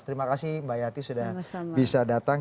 terima kasih mbak yati sudah bisa datang